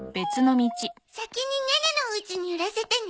先にネネのおうちに寄らせてね。